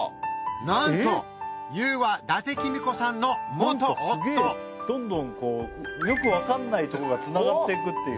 なんとＹＯＵは伊達公子さんの元夫よくわかんないとこがつながっていくっていう。